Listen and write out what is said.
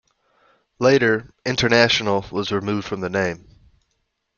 Later, "International" was removed from the name.